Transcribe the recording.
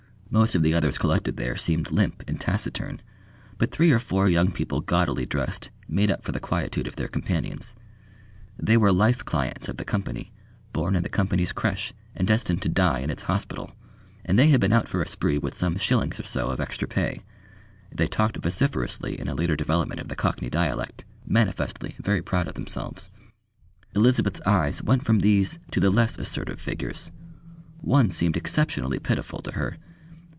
Most of the others collected there seemed limp and taciturn, but three or four young people gaudily dressed made up for the quietude of their companions. They were life clients of the Company, born in the Company's creche and destined to die in its hospital, and they had been out for a spree with some shillings or so of extra pay. They talked vociferously in a later development of the Cockney dialect, manifestly very proud of themselves. Elizabeth's eyes went from these to the less assertive figures. One seemed exceptionally pitiful to her.